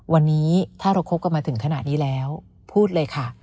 วันนี้ถ้าเราคบกันมาถึงขนาดนี้แล้วพูดเลยค่ะ